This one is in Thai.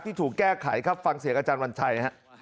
ที่ถูกแก้ไขครับฟังเสียกับอาจารย์วันชัย